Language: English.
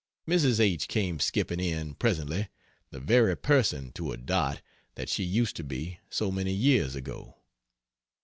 Mrs. H. came skipping in, presently, the very person, to a dot, that she used to be, so many years ago.